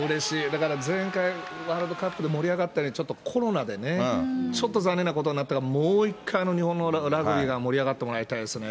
だから前回、ワールドカップで盛り上がったのに、コロナでね、ちょっと残念なことになったから、もう一回あの日本のラグビーが盛り上がってもらいたいですね。